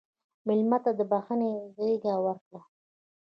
مېلمه ته د بښنې غېږ ورکړه.